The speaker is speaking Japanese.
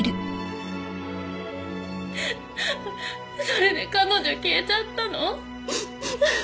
それで彼女消えちゃったの？